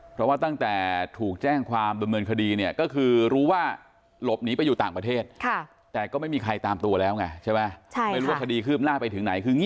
เพราะว่าตั้งแต่ถูกแจ้งความบำเมินคฎี